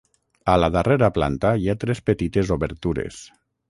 A la darrera planta hi ha tres petites obertures.